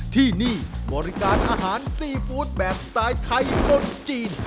ที่นี่บริการอาหารซีฟู้ดแบบสไตล์ไทยคนจีน